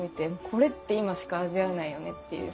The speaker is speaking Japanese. これって今しか味わえないよねっていう。